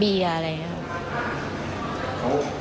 บีย์อะไรอย่างนี้